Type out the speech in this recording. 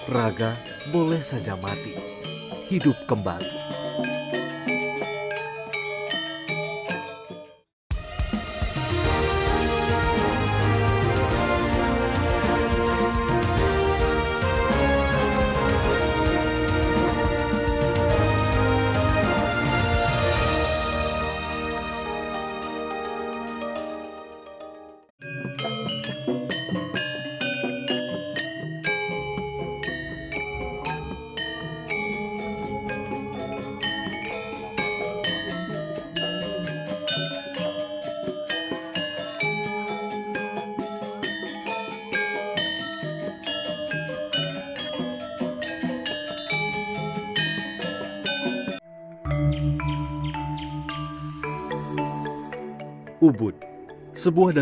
raga boleh saja mati hidup kembali